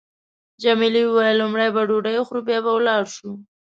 جميلې وويل: لومړی به ډوډۍ وخورو بیا به ولاړ شو.